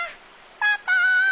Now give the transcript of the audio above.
パパ！